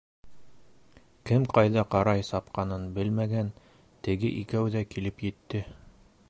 Кем ҡайҙа ҡарай сапҡанын белмәгән теге икәү ҙә килеп етте.